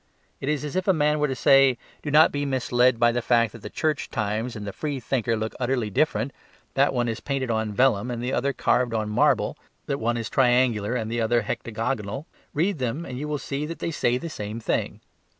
It is as if a man were to say, "Do not be misled by the fact that the CHURCH TIMES and the FREETHINKER look utterly different, that one is painted on vellum and the other carved on marble, that one is triangular and the other hectagonal; read them and you will see that they say the same thing."